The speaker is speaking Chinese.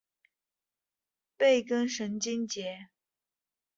背根神经节。